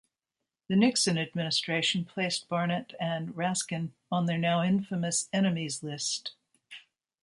The Nixon Administration placed Barnet and Raskin on their now infamous Enemies List.